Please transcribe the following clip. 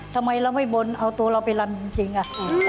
ทำไมเราไม่บนเอาตัวเราไปรำจริงอ่ะ